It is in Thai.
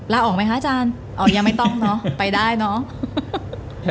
ลาออกไหมคะอาจารย์อ๋อยังไม่ต้องเนอะไปได้เนอะ